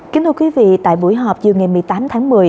kính thưa quý vị tại buổi họp chiều ngày một mươi tám tháng một mươi